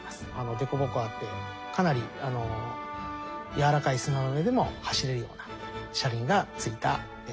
凸凹あってかなりやわらかい砂の上でも走れるような車輪が付いたロボットになってます。